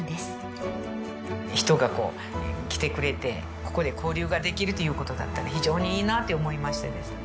人が来てくれてここで交流ができるという事だったら非常にいいなって思いましてですね。